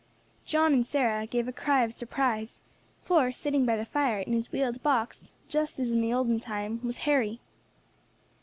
John and Sarah gave a cry of surprise, for, sitting by the fire, in his wheeled box, just as in the olden time, was Harry.